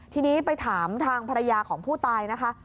ทีนี้ไปถามทางภรรยาของผู้ตายนะคะ